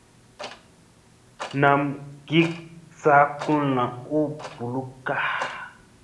Nam gik saa kulna u bulukka.